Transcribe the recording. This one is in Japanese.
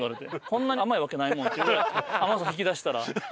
「こんなに甘いわけないもん」って言われて甘さ引き出したら。